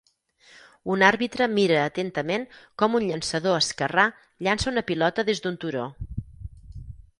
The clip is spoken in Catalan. Un arbitre mira atentament com un llançador esquerrà llança una pilota des d'un turó.